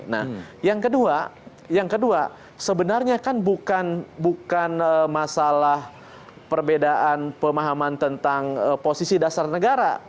nah yang kedua yang kedua sebenarnya kan bukan masalah perbedaan pemahaman tentang posisi dasar negara